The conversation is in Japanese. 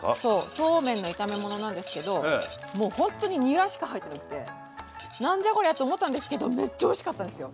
そうめんの炒め物なんですけどもうほんとににらしか入ってなくて何じゃこりゃって思ったんですけどめっちゃおいしかったんですよ